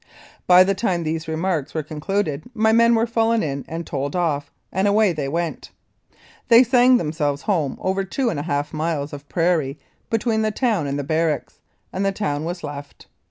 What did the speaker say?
By the time these remarks were concluded my men were fallen in and told off, and away they went. They sang themselves home over two and a half miles of prairie between the town and the barracks, and the town was left.